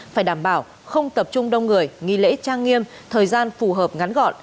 phải đảm bảo không tập trung đông người nghi lễ trang nghiêm thời gian phù hợp ngắn gọn